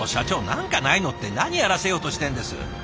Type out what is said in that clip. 「何かないの？」って何やらせようとしてんです？